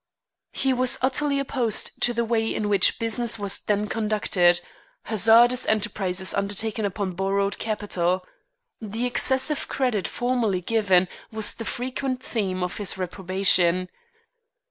He was utterly opposed to the way in which business was then conducted hazardous enterprises undertaken upon borrowed capital. The excessive credit formerly given was the frequent theme of his reprobation.